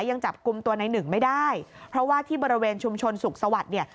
ยังจับกลุ่มตัวในหนึ่งไม่ได้เพราะว่าที่บริเวณชุมชนสุขสวัสดิ์เนี่ย